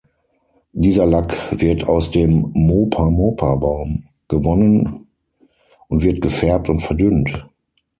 Dieser Lack wird aus dem Mopa-Mopa-Baum gewonnen und wird gefärbt und verdünnt.